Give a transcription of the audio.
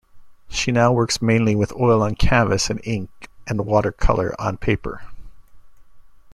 She now works mainly with oil on canvas and ink and watercolor on paper.